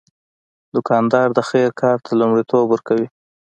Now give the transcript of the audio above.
دوکاندار د خیر کار ته لومړیتوب ورکوي.